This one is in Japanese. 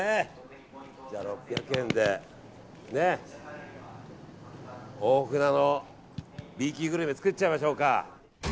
じゃあ、６００円で大船のＢ級グルメ作っちゃいましょうか。